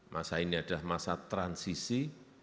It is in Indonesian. masa ini adalah masa transisi